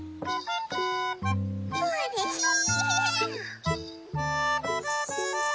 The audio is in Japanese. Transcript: うれしい！